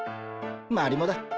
マリモだ。